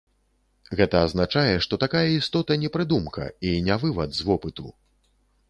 Гэта азначае, што такая істота не прыдумка, і не вывад з вопыту.